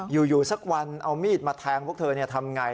อยู่สักวันเอามีดมาแทงพวกเธอทำไง